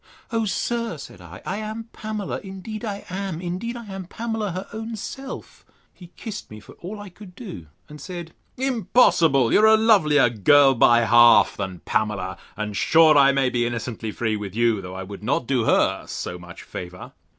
O sir, said I, I am Pamela, indeed I am: indeed I am Pamela, her own self! He kissed me for all I could do; and said, Impossible! you are a lovelier girl by half than Pamela; and sure I may be innocently free with you, though I would not do her so much favour.